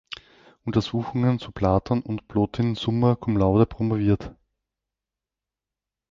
Untersuchungen zu Platon und Plotin“ summa cum laude promoviert.